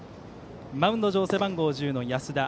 マウンド上、背番号１０の安田。